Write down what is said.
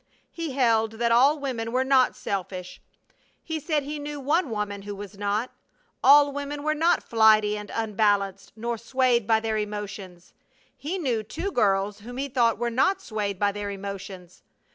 He held that all women were not selfish. He said he knew one woman who was not. All women were not flighty and unbalanced nor swayed by their emotions. He knew two girls whom he thought were not swayed by their emotions.